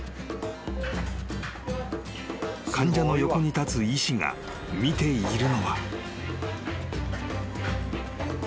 ［患者の横に立つ医師が見ているのは］